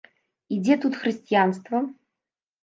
І дзе тут хрысціянства?